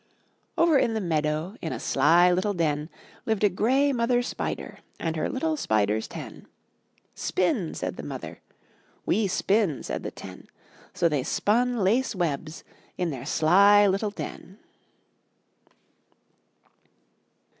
Over in the meadow. In a sly little den, Lived a gray mother spider And her little spiders ten. "Spin, said the mother, "We spin,'* said the ten; So they spun lace webs In their sly little den.